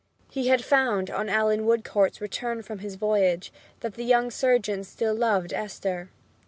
He had found, on Allan Woodcourt's return from his voyage, that the young surgeon still loved Esther.